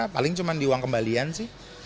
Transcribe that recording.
paling cuma di uang kembalian sih